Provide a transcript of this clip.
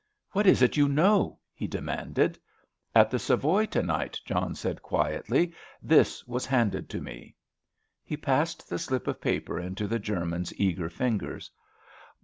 "What is it you know?" he demanded. "At the Savoy to night," John said quietly, "this was handed to me." He passed the slip of paper into the German's eager fingers.